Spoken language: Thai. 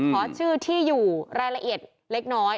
ขอชื่อที่อยู่รายละเอียดเล็กน้อย